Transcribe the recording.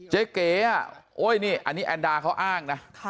เจ๊เก๋โอ้ยนี่อันนี้แอนดาร์เขาอ้างนะ